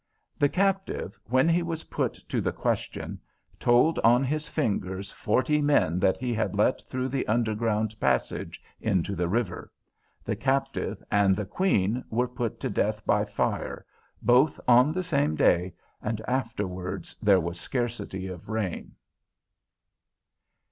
The Captive, when he was put to the question, told on his fingers forty men that he had let through the underground passage into the river. The Captive and the Queen were put to death by fire, both on the same day, and afterward there was scarcity of rain.